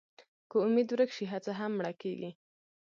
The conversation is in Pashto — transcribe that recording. که امېد ورک شي، هڅه هم مړه کېږي.